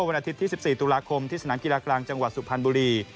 วันอาทิตย์ที่๑๔ตุลาคมที่สนามกีฬากลางจังหวัดสุพรรณบุรี